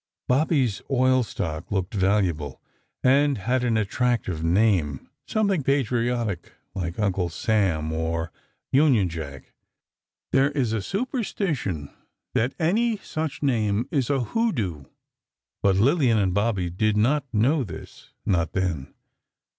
Bobby's oil stock looked valuable, and had an attractive name, something patriotic, like "Uncle Sam," or "Union Jack." There is a superstition that any such name is a hoodoo, but Lillian and Bobby did not know this—not then.